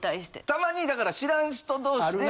たまにだから知らん人同士で。